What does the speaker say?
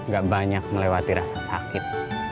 gak banyak melewati rasa sakit